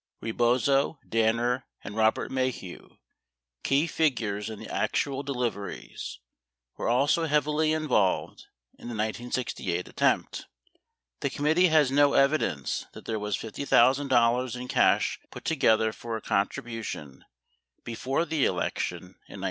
Rebozo, Danner, and Robert Maheu, key figures in the actual deliveries, were also heavily involved in the 1968 attempt. The committee has no evi dence that there was $50,000 in cash put together for a contribution before the election in 1968.